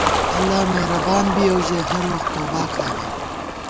اللہ مېرَبان بِیَؤ ژَئی، ہر وخت توبا کھائیمېم